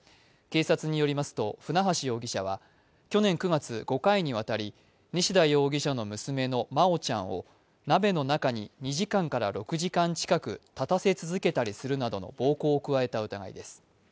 警察によりますと船橋容疑者は、去年９月、５回にわたり西田容疑者の娘の真愛ちゃんを鍋の中に２時間から６時間近く立たせ続けたりするなどの暴行を加えた疑いです。